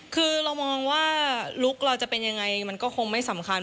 คือเรามองว่าลุคเราจะเป็นยังไงมันก็คงไม่สำคัญ